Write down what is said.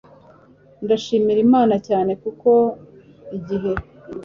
Ndashimira Imana cyane kuko igihe